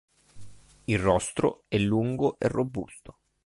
Il rostro è lungo e robusto.